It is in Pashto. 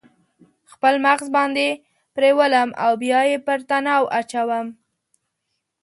خپل مغز باندې پریولم او بیا یې پر تناو اچوم